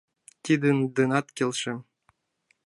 — Тидын денат келшем.